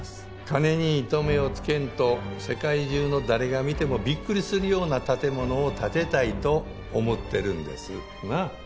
金に糸目を付けんと世界中の誰が見てもびっくりするような建物を建てたいと思ってるんです。なあ？